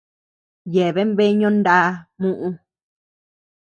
Yeabean bea ñoʼó ndá muʼu.